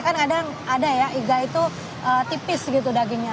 kan kadang ada ya iga itu tipis gitu dagingnya